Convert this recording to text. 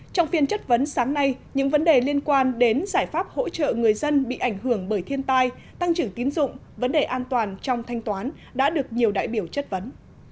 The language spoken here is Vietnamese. trong phiên chất vấn sáng nay những vấn đề liên quan đến giải pháp hỗ trợ người dân bị ảnh hưởng bởi thiên tai tăng trưởng tín dụng vấn đề an toàn trong thanh toán đã được nhiều đại biểu chất vấn